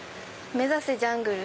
目指せジャングル。